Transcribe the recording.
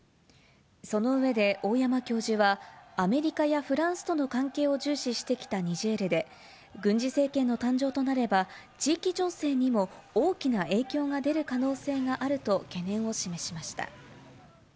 その上で、大山教授はアメリカやフランスとの関係を重視してきたニジェールで、軍事政権の誕生となれば、地域情勢にも大きな影響が出る可能性があると懸念を示しました。